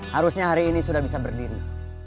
harusnya hari ini sudah bisa berdiri